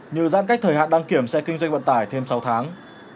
như giãn cách thời hạn đăng kiểm xe kinh doanh vận tải thêm sáu tháng